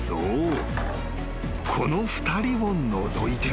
この２人を除いては］